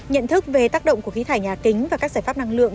nhận thức về tác động của khí thải nhà kính và các giải pháp năng lượng